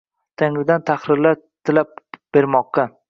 tangridan tahrirlar tilab bermoqqa